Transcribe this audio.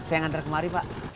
saya ngantar kemari pak